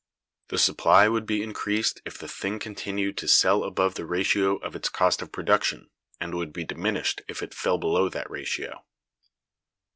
The supply would be increased if the thing continued to sell above the ratio of its cost of production, and would be diminished if it fell below that ratio.